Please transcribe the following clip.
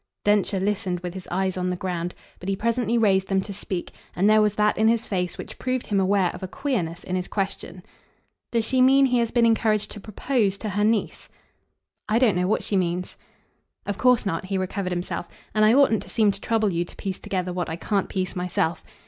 Densher listened with his eyes on the ground, but he presently raised them to speak, and there was that in his face which proved him aware of a queerness in his question. "Does she mean he has been encouraged to PROPOSE to her niece?" "I don't know what she means." "Of course not" he recovered himself; "and I oughtn't to seem to trouble you to piece together what I can't piece myself.